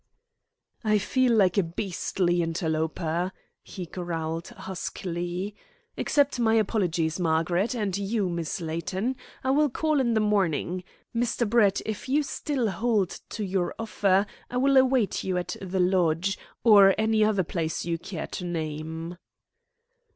"I feel like a beastly interloper," he growled huskily. "Accept my apologies, Margaret, and you, Miss Layton. I will call in the morning. Mr. Brett, if you still hold to your offer, I will await you at the lodge, or any other place you care to name."